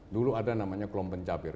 dulu ada namanya kelompok pencapir